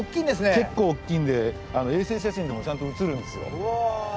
結構おっきいんで衛星写真でもちゃんと写るんですよ。